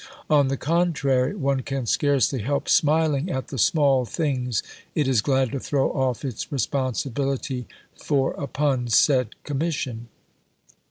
On the contrary, one can scarcely help smiling at the small things it is glad to throw off its responsibility for upon said Commission.